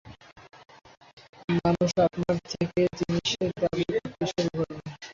মানুষ আপনার থেকে জিনিসের দাবি করতে শুরু করবে।